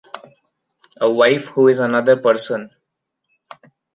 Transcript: A wife who is another person.